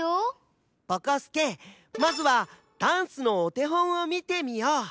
ぼこすけまずはダンスのおてほんをみてみよう。